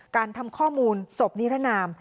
การทำข้อมูลศพนิรนาม